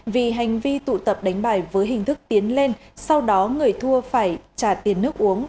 vì hành vi tụ tập đánh bài với hình thức tiến lên sau đó người thua phải trả tiền nước uống